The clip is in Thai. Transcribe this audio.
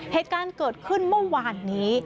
เหตุการณ์เกิดขึ้นเมื่อวานนี้